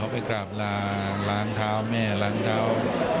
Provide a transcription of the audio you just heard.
ค่าร้ายเขากลับลาล้างเท้าแม่ลั้งเดา